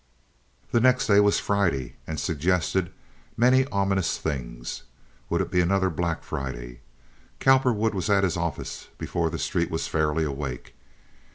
The next day was Friday, and suggested many ominous things. Would it be another Black Friday? Cowperwood was at his office before the street was fairly awake.